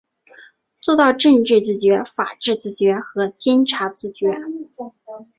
做到政治自觉、法治自觉和检察自觉